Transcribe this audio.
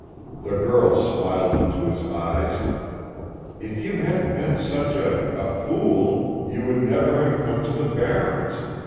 The girl smiled into his eyes: "If you hadn't been such a a fool, you would never have come to the barrens.